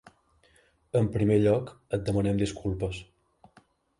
En primer lloc, et demanem disculpes.